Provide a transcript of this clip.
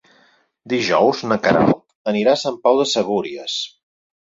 Dijous na Queralt anirà a Sant Pau de Segúries.